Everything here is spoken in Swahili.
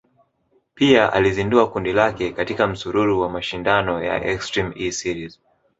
Pia alizindua kundi lake katika msururu wa mashindano ya Extreme E series